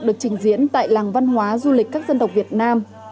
được trình diễn tại làng văn hóa du lịch các dân tộc việt nam